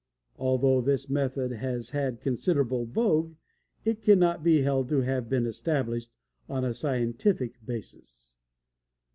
Although this method has had considerable vogue, it cannot be held to have been established on a scientific basis.